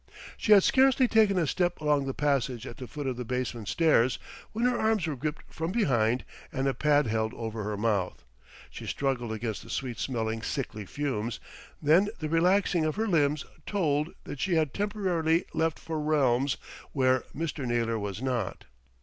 She had scarcely taken a step along the passage at the foot of the basement stairs, when her arms were gripped from behind and a pad held over her mouth. She struggled against the sweet smelling sickly fumes; then the relaxing of her limbs told that she had temporarily left for realms where Mr. Naylor was not.